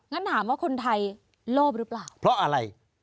งั้นถามว่าคนไทยโลภหรือเปล่าเพราะอะไร